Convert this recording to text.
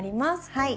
はい。